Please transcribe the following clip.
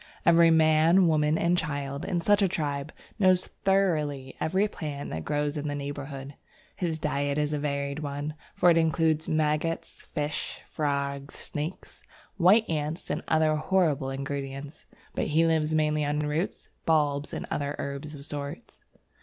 Every man, woman, and child in such a tribe knows thoroughly every plant that grows in the neighbourhood. His diet is a varied one, for it includes maggots, fish, frogs, snakes, white ants, and other horrible ingredients, but he lives mainly on roots, bulbs, and herbs of sorts.